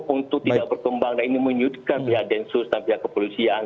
untuk tidak berkembang dan ini menyudutkan pihak densus dan pihak kepolisian